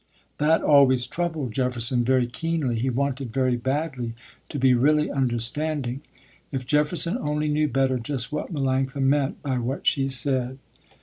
That always troubled Jefferson very keenly, he wanted very badly to be really understanding. If Jefferson only knew better just what Melanctha meant by what she said.